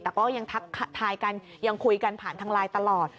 แต่ก็ยังทักทายกันยังคุยกันผ่านทางไลน์ตลอด